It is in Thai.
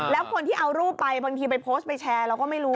แล้วคนที่เอารูปไปบางทีไปโพสต์ไปแชร์เราก็ไม่รู้